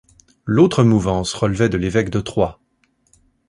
L'autre mouvance relevait de l'évêque de Troyes.